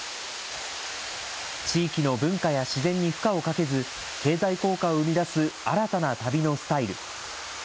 地域の文化や自然に負荷をかけず、経済効果を生み出す新たな旅のスタイル。